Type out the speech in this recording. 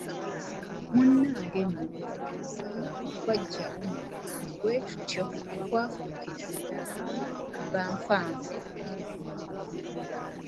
Munnange nno olowooza awo tetwaggyawo mukwano, bwe tutyo twafuukira ddala banfanfe ne Mirembe.